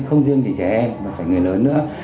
không riêng thì trẻ em mà phải người lớn nữa